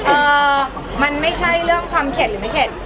เอ่อมันไม่ใช่เรื่องความเข็ดหรือไม่เข็ด